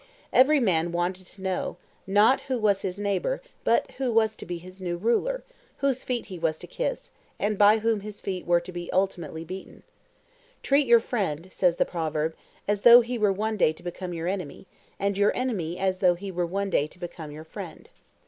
Every man wanted to know, not who was his neighbour, but who was to be his ruler; whose feet he was to kiss, and by whom his feet were to be ultimately beaten. Treat your friend, says the proverb, as though he were one day to become your enemy, and your enemy as though he were one day to become your friend.